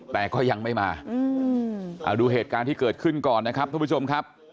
แต่ก็ยังไม่มาเอาดูเหตุการณ์ที่เกิดขึ้นก่อนนะครับทุกผู้ชมครับ